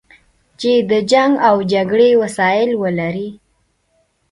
چې د جنګ او جګړې وسایل ولري.